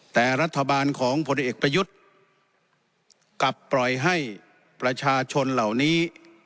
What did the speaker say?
แต่รัฐบาลของพลเอกประยุทธ์กลับปล่อยให้ประชาชนเหล่านี้